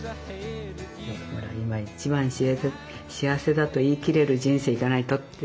今一番幸せだと言い切れる人生じゃないとって。